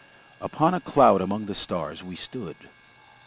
Upon a cloud among the stars we stood.